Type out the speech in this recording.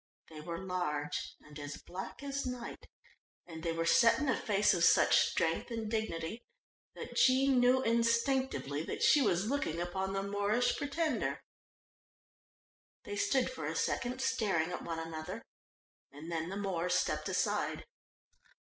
They were large and as black as night, and they were set in a face of such strength and dignity that Jean knew instinctively that she was looking upon the Moorish Pretender. They stood for a second staring at one another, and then the Moor stepped aside.